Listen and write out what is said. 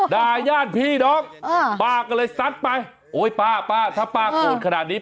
ด่าย่านพี่น้องป้าก็เลยซัดไปโอ้ยป้าป้าถ้าป้าโกรธขนาดนี้